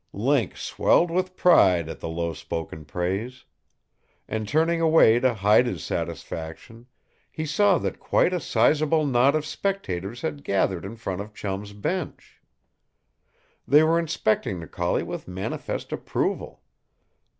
Link swelled with pride at the lowspoken praise. And turning away to hide his satisfaction, he saw that quite a sizable knot of spectators had gathered in front of Chum's bench. They were inspecting the collie with manifest approval.